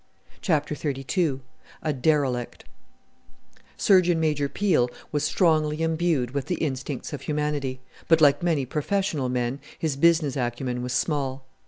CHAPTER XXXII A DERELICT Surgeon Major Peel was strongly imbued with the instincts of humanity, but, like many professional men, his business acumen was small.